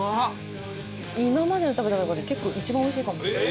今まで食べた中で結構一番美味しいかも。